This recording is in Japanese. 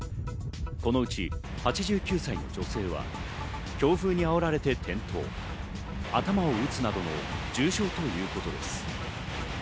このうち８９歳の女性は強風にあおられて転倒、頭を打つなどの重傷ということです。